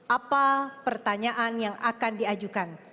apa pertanyaan yang akan diajukan